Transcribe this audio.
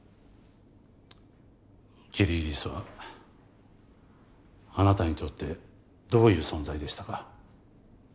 キリギリスはあなたにとってどういう存在でしたか？